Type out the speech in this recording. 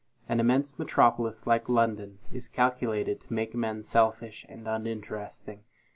An immense metropolis, like London, is calculated to make men selfish and uninteresting.